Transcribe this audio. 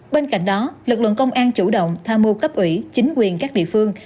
bên cạnh đó lực lượng công an chủ động tha mua cấp ủy chính quyền các địa phương